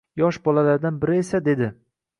Yosh bolalardan biri esa dedi.